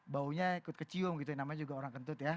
baunya ikut kecium gitu yang namanya juga orang kentut ya